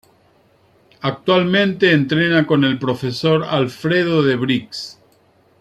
Actualmente entrena con el profesor Alfredo De Brix.